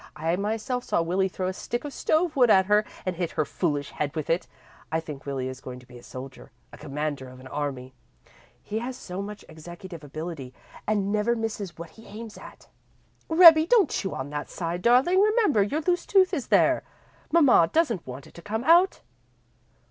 I myself saw Willie throw a stick of stove wood at her and hit her foolish head with it. I think Willie is going to be a soldier, a commander of an army. He has so much executive ability and never misses what he aims at. "Rebbie, don't chew on that side, darling; remember your loose tooth is there. Mamma doesn't want it to come out."